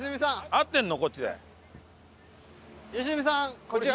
合ってるの？